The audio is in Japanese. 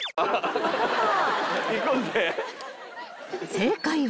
［正解は］